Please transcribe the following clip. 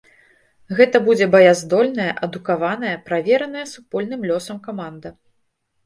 Гэта будзе баяздольная, адукаваная, правераная супольным лёсам каманда.